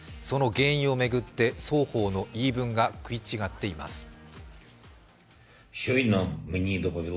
その原因を巡って双方の言い分が食い違っています。